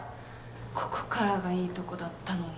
ここからがいいとこだったのに。